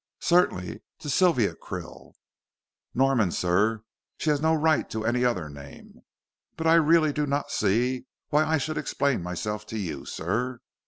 "Certainly. To Sylvia Krill." "Norman, sir. She has no right to any other name. But I really do not see why I should explain myself to you, sir.